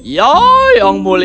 ya yang mulia